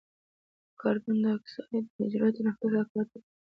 کاربن ډای اکساید د حجروي تنفس له کبله تولیدیږي.